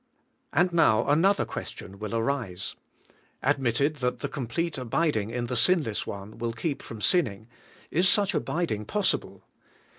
And now another question will arise: Admitted that the complete abiding in the Sinless One will keep from sinning, is such abiding possible?